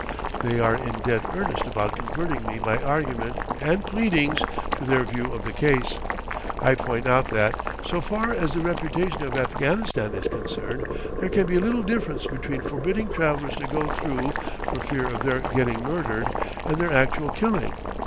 They are in dead earnest about converting me by argument and pleadings to their view of the case. I point out that, so far as the reputation of Afghanistan is concerned, there can be little difference between forbidding travellers to go through for fear of their getting murdered, and their actual killing.